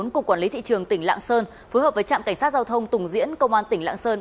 cục quản lý thị trường tỉnh lạng sơn phối hợp với trạm cảnh sát giao thông tùng diễn công an tỉnh lạng sơn